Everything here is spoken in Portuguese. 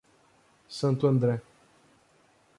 Santo André